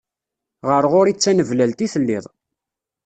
Ɣer ɣur-i d taneblalt i telliḍ.